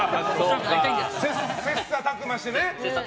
切磋琢磨してね。